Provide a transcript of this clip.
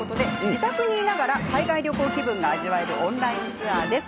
自宅にいながら海外旅行気分が味わえるオンラインツアーです。